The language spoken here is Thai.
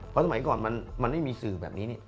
เพราะสมัยก่อนมันไม่มีสื่อแบบนี้นี่